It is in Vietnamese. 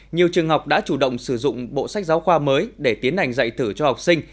nhiều trường học đã chủ động sử dụng bộ sách giáo khoa mới để tiến hành dạy thử cho học sinh